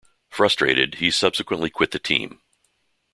Frustrated, he subsequently quit the team.